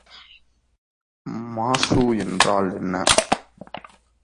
மாசு என்றால் என்ன?